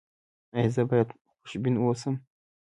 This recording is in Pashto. ایا زه باید خوشبین اوسم؟